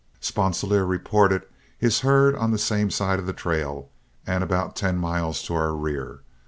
Sponsilier reported his herd on the same side of the trail and about ten miles to our rear.